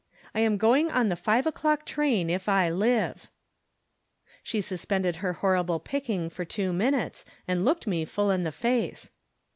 I am going on the five o'clock train if I Hve." She suspended her horrible picking for two minutes, and looked me full in the face.